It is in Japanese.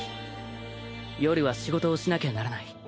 夜は仕事をしなきゃならない。